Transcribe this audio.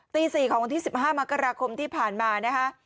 ตี๔ของวันที่๑๕มกราคมที่ผ่านมานะคะ